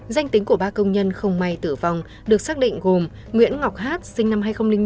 danh tính của ba công nhân không may tử vong được xác định gồm nguyễn ngọc hát sinh năm hai nghìn năm